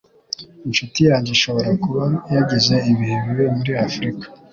Inshuti yanjye ishobora kuba yagize ibihe bibi muri Afrika.